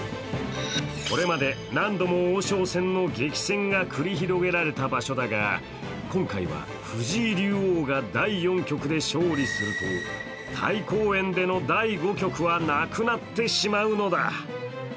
これまで何度も王将戦の激戦が繰り広げられた場所だが今回は藤井竜王が第４局で勝利すると大幸園での第５局はなくなってしまうのだ。